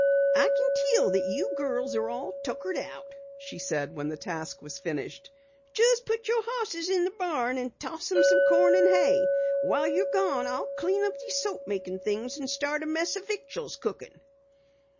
"I kin tell that you girls are all tuckered out," she said when the task was finished. "Just put your horses in the barn and toss 'em some corn and hay. While you're gone I'll clean up these soap makin' things and start a mess o' victuals cookin'."